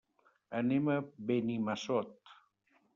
Anem a Benimassot.